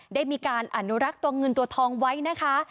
ได้มีการอนุรักษ์ตัวเงินตัวทองไว้นะคะ